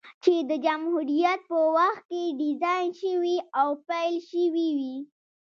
چې د جمهوريت په وخت کې ډيزاين شوې او پېل شوې وې،